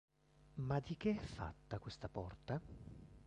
Ma di che è fatta questa porta?